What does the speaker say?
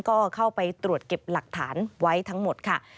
ก็เข้าไปตรวจเก็บหลักฐานไว้ทั้งหมดค่ะ